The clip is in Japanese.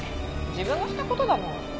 自分のした事だもん。